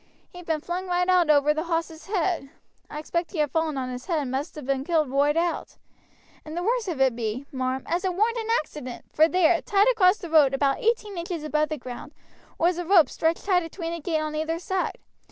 He'd been flung right out over the hoss' head. I expect he had fallen on his head and must have been killed roight out; and the worst of it be, marm, as it warn't an accident, for there, tight across the road, about eighteen inches above the ground, was a rope stretched tight atween a gate on either side.